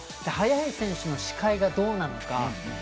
速い選手の視界がどうなのか。